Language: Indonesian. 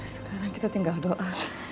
sekarang kita tinggal doa